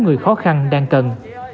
người khó khăn đang cần